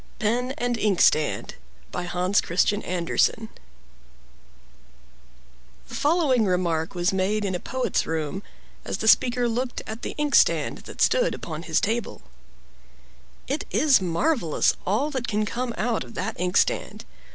PEN AND INKSTAND By Hans Christian Andersen The following remark was made in a poet's room, as the speaker looked at the inkstand that stood upon his table: "It is marvelous all that can come out of that ink stand!